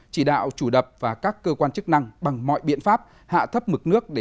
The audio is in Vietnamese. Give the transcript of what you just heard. chỉ đạo chủ đập và các cơ quan chức năng bằng mọi biện pháp hạ thấp mực nước